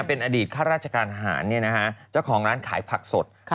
เป็นอดีตข้าราชการหารเนี่ยนะคะเจ้าของร้านขายผักสด